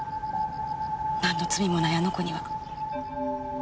なんの罪もないあの子には。